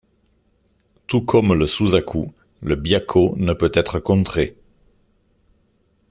Tout comme le Suzaku, le byakko ne peut être contré.